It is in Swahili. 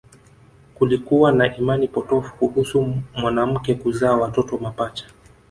Kulikuwa na imani potofu kuhusu mwanamke kuzaa watoto mapacha